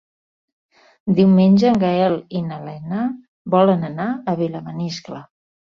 Diumenge en Gaël i na Lena volen anar a Vilamaniscle.